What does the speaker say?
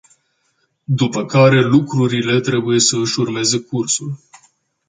După care lucrurile trebuie să își urmeze cursul.